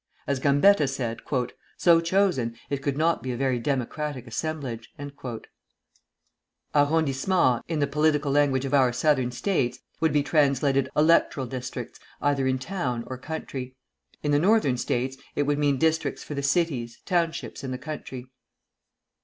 As Gambetta said: "So chosen, it could not be a very democratic assemblage." "Arrondissement," in the political language of our Southern States, would be translated electoral districts either in town or country. In the Northern States it would mean districts for the cities, townships in the country.